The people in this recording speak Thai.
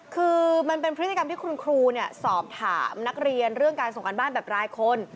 คือมันเป็นพฤติกรรมที่คุณครูสอบถามนักเรียนเรื่องการส่งการบ้านแบบรายคน